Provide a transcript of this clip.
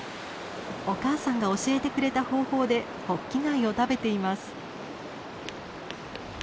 お母さんが教えてくれた方法でホッキ貝を食べています。